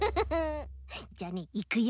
じゃあねいくよ。